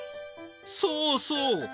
そうそう。